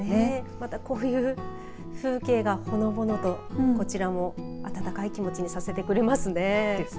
またこういう風景がほのぼのとこちらも温かい気持ちにさせてくれますね。